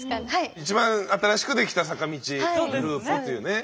一番新しくできた坂道グループというね。